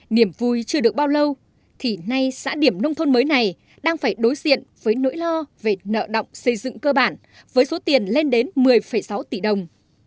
niềm vui chưa được bao lâu thì nay xã điểm nông thôn mới này đang phải đối diện với nỗi lo về nợ động xây dựng cơ bản với số tiền lên đến một mươi sáu tỷ đồng